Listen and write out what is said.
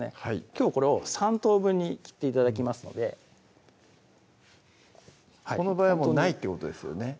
きょうはこれを３等分に切って頂きますのでこの場合はないってことですよね